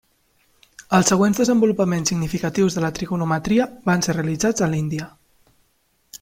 Els següents desenvolupaments significatius de la trigonometria van ser realitzats a l'Índia.